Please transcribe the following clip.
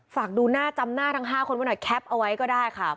ฝากดูหน้าจำหน้าทั้ง๕คนไว้หน่อยแคปเอาไว้ก็ได้ค่ะ